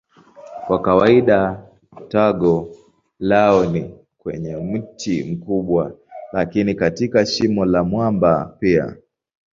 Kwa kawaida tago lao ni kwenye mti mkubwa lakini katika shimo la mwamba pia.